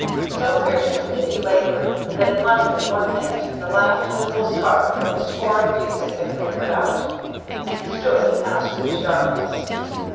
So fiercely did he labor that in less than one minute the last visible spark from a score of fuses had glimmered out, and he stood in absolute darkness.